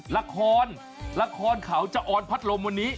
ละครละครเขาจะออนพัดลมวันนี้